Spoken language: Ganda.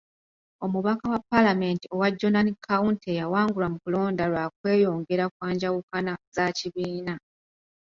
Omubaka wa paalamenti owa Jonan county yawangulwa mu kulonda lwa kweyongera kwa njawukana za kibiina.